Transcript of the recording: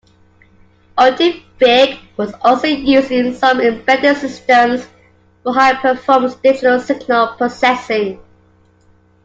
AltiVec was also used in some embedded systems for high-performance digital signal processing.